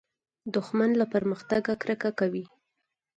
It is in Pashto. دښمن له پرمختګه کرکه کوي